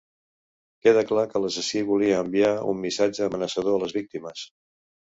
Queda clar que l'assassí volia enviar un missatge amenaçador a les víctimes.